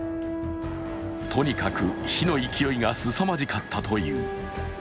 とにかく火の勢いがすさまじかったという。